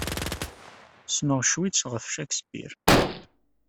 Ssneɣ cwiṭ ɣef Shakespeare.